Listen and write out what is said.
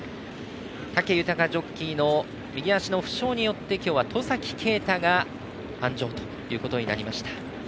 武豊ジョッキーの右足の負傷によって今日は戸崎圭太が鞍上ということになりました